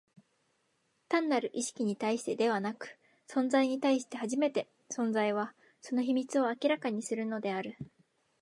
単なる意識に対してでなく、存在に対して初めて、存在は、その秘密を明らかにするのである。